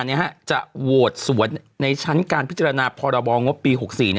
จะโหวตสวนในชั้นการพิจารณาพรบงบปี๖๔